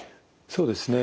そうですね。